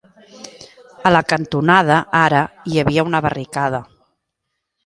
A la cantonada ara hi havia una barricada